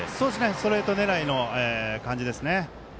ストレート狙いの感じです。